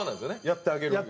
やってあげる。